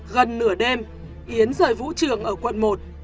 gần nửa đêm yến rời vũ trường ở quận một